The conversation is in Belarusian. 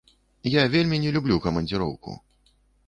Я вельмі не люблю камандзіроўку.